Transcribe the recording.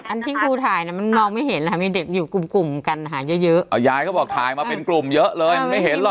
อันที่ครูถ่ายมันมองไม่เห็นมีเด็กอยู่กลุ่มกลุ่มกันเยอะยายก็บอกถ่ายมาเป็นกลุ่มเยอะเลยไม่เห็นหรอก